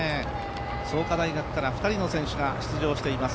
創価大学から２人の選手が出場しています。